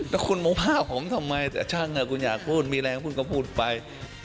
แล้วคุณมาว่าผมทำไมแต่ช่างคุณอยากพูดมีแรงพูดก็พูดไป